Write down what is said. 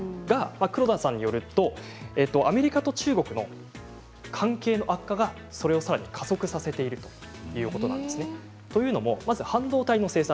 黒田さんによるとアメリカと中国の関係の悪化がそれをさらに加速させているということなんですね。というのも半導体の生産